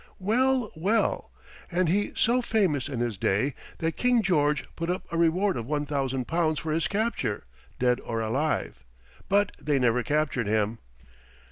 Well, well! and he so famous in his day that King George put up a reward of 1,000 pounds for his capture dead or alive. But they never captured him.